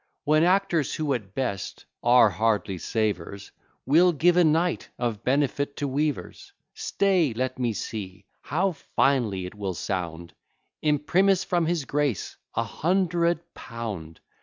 When actors, who at best are hardly savers, Will give a night of benefit to weavers? Stay let me see, how finely will it sound! Imprimis, From his grace a hundred pound.